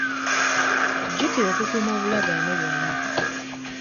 Jjukira okukuuma obulagaane bwonna.